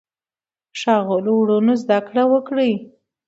ښاغلو وروڼو زده کړه وکړئ.